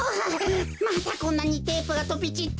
またこんなにテープがとびちって。